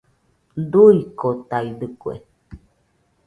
Duuikotaidɨkue